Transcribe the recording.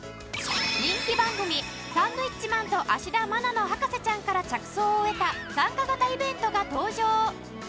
人気番組『サンドウィッチマン＆芦田愛菜の博士ちゃん』から着想を得た参加型イベントが登場